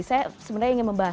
saya sebenarnya ingin membahas